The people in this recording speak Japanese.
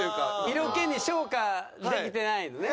色気に昇華できてないのね。